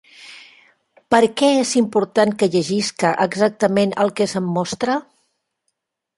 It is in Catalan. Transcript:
Per què és important que llegisca exactament el que se'm mostra?